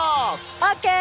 オッケー！